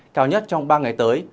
cao nhất trong ba ngày tới